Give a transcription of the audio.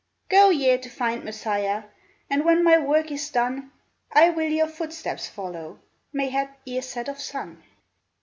ii Go ye to find Messiah ! And when my work is done I will your footsteps follow. Mayhap ere set of sun."